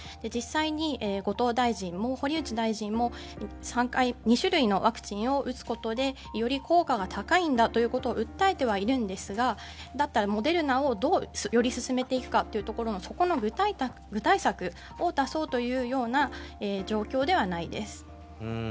実際に後藤大臣も堀内大臣も２種類のワクチンを打つことでより効果が高いんだということを訴えてはいるんですがだったらモデルナをどう、より進めていくかというそこの具体策を出そうというような状況ではないです。